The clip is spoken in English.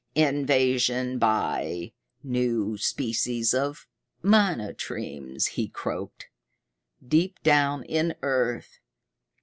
"Invasion by new species of monotremes," he croaked. "Deep down in earth.